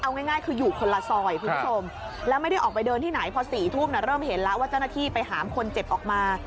เอาง่ายคืออยู่คนละซอยคุณผู้ชมแล้วไม่ได้ออกไปเดินที่ไหนพอ๔ทุ่มเริ่มเห็นแล้วว่าเจ้าหน้าที่ไปหามคนเจ็บออกมา